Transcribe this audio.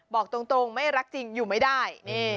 บอกตรงไม่รักจริงอยู่ไม่ได้